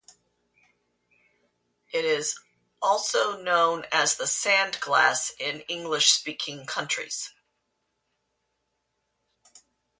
It is also known as The Sandglass in English speaking countries.